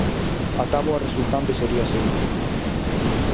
A táboa resultante sería a seguinte: